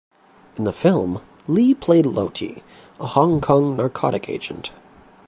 In the film, Lee played Loti, a Hong Kong narcotic agent.